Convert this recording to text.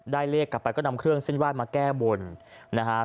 เลขกลับไปก็นำเครื่องเส้นไหว้มาแก้บนนะฮะ